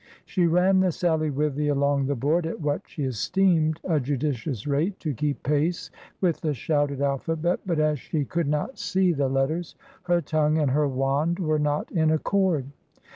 She ran the sallywithy along the board at what she esteemed a judicious rate, to keep pace with the shouted alphabet, but, as she could not see the letters, her tongue and her wand were not in accord.